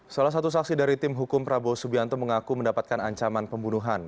salah satu saksi dari tim hukum prabowo subianto mengaku mendapatkan ancaman pembunuhan